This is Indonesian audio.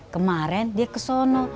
kemaren dia kesono